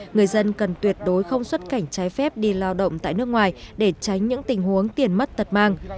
người dân cần tuyệt đối không xuất cảnh trái phép đi lao động tại nước ngoài để tránh những tình huống tiền mất tật mang